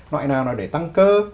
loại nào là để tăng cơ